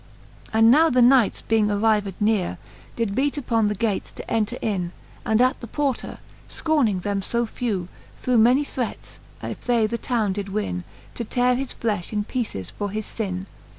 XXXVII. And now the knights being arrived neare, Did beat uppon the gates to enter in, And at the porter, Ikorning them fo few. Threw many threats, if they the town did win. To teare his flefh in peeces for his fin.